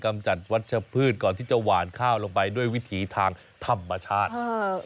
กำจัดวัชพืชก่อนที่จะหวานข้าวลงไปด้วยวิถีทางธรรมชาติ